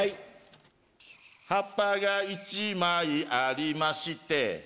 葉っぱが１枚ありまして